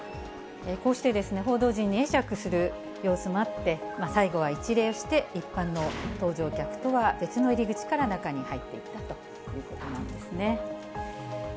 こうして報道陣に会釈する様子もあって、最後は一礼して、一般の搭乗客とは別の入り口から、中に入っていったということなんですね。